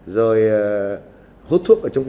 rồi hút thuốc ở trong vực